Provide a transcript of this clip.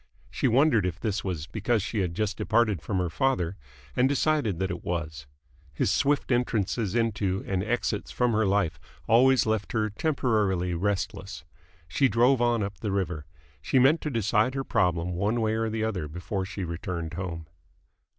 She wondered if this was because she had just departed from her father, and decided that it was. His swift entrances into and exits from her life always left her temporarily restless. She drove on up the river. She meant to decide her problem one way or the other before she returned home.